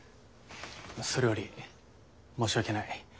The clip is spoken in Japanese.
それより申し訳ない。